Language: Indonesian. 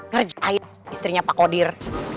kerja ayah istrinya pak kodir